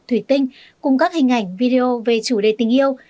thủy tinh cùng các hình ảnh video về chủ đề tình yêu